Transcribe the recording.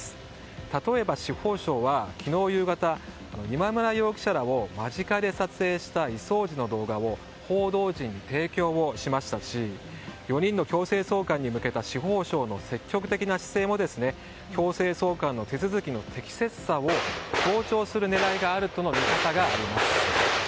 例えば司法省は、昨日夕方今村容疑者らを間近で撮影した移送時の動画を報道陣に提供しましたし４人の強制送還に向けた司法省の積極的な姿勢も強制送還の手続きの適切さを強調する狙いがあるとの見方があります。